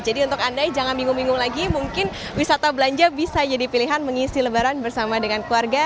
jadi untuk anda jangan bingung bingung lagi mungkin wisata belanja bisa jadi pilihan mengisi lebaran bersama dengan keluarga